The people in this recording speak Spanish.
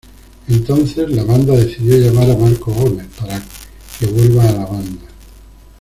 Entonces la banda decidió llamar a Marcos Gómez para que vuelva a la banda.